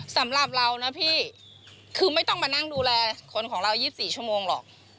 สำหรับเรานะพี่คือไม่ต้องมานั่งดูแลคนของเรา๒๔ชั่วโมงหรอก